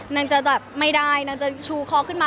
นางจะแบบไม่ได้นางจะชูคอขึ้นมา